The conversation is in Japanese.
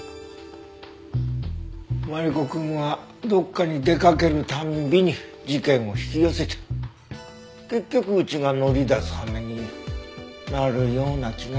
マリコくんはどこかに出かける度に事件を引き寄せて結局うちが乗り出す羽目になるような気がしてならないし。